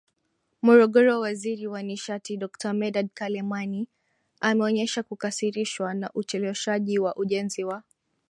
Morogoro Waziri wa nishati Dokta Medard Kalemani ameonyesha kukasirishwa na ucheleweshwaji wa ujenzi wa